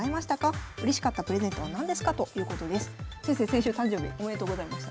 先週誕生日おめでとうございました。